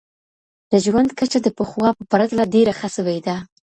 د ژوند کچه د پخوا په پرتله ډېره ښه سوي ده.